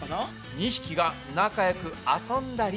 ２匹が仲よく遊んだり。